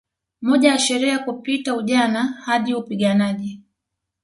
Moja ya sherehe ya kupita ujana hadi upiganaji